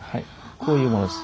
こういうものです。